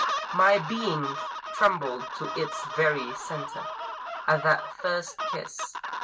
My being trembled to its very center At that first kiss.